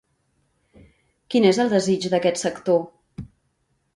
Quin és el desig d'aquest sector?